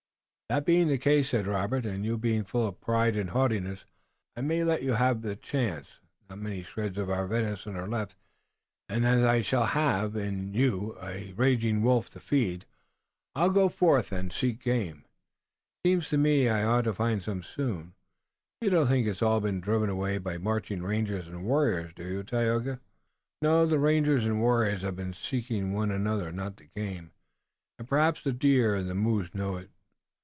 "That being the case," said Robert, "and you being full of pride and haughtiness, I may let you have the chance. Not many shreds of our venison are left, and as I shall have in you a raging wolf to feed, I'll go forth and seek game. It seems to me I ought to find it soon. You don't think it's all been driven away by marching rangers and warriors, do you, Tayoga?" "No, the rangers and warriors have been seeking one another, not the game, and perhaps the deer and the moose know it.